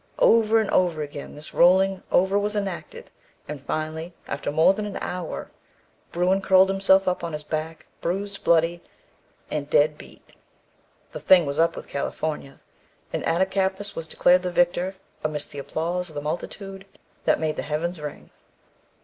Over and over again this rolling over was enacted, and finally, after more than an hour, bruin curled himself up on his back, bruised, bloody, and dead beat. The thing was up with California, and Attakapas was declared the victor amidst the applause of the multitude that made the heavens ring."